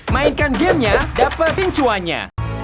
mainkan gamenya dapet pincuannya